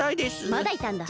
まだいたんだ。